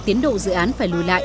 tiến độ dự án phải lùi lại